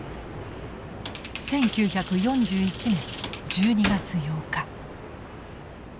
１９４１年１２月８日。